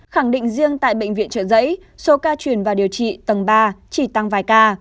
khẳng định riêng tại bệnh viện trở giấy số ca truyền và điều trị tầng ba chỉ tăng vài ca